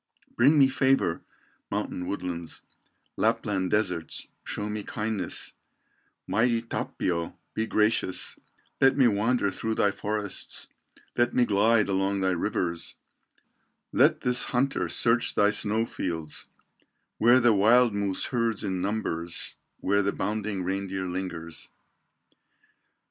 Bring me favor, mountain woodlands, Lapland deserts, show me kindness, Mighty Tapio, be gracious, Let me wander through thy forests, Let me glide along thy rivers, Let this hunter search thy snow fields, Where the wild moose herds in numbers Where the bounding reindeer lingers.